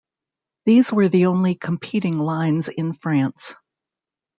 These were the only competing lines in France.